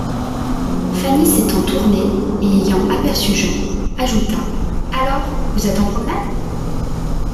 Fanny, s’étant tournée et ayant aperçu Jean, ajouta: — Alors, vous êtes en promenade?